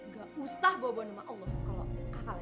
gak usah boboan nama allah kalo ada kakak lagi